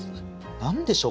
何でしょう